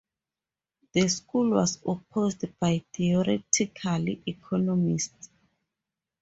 The school was opposed by theoretical economists.